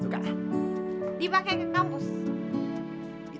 dipakai ke kampus